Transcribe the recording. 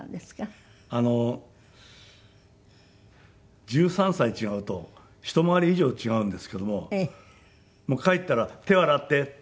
あの１３歳違うと一回り以上違うんですけども帰ったら「手を洗って」。